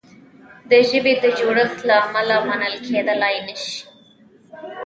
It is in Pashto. د ژبې د جوړښت له امله منل کیدلای نه شي.